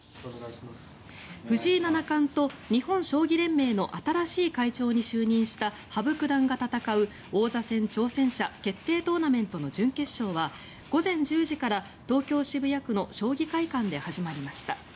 藤井七冠と日本将棋連盟の新しい会長に就任した羽生九段が戦う王座戦挑戦者決定トーナメントの準決勝は午前１０時から東京・渋谷区の将棋会館で始まりました。